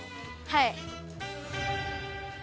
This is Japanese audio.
はい。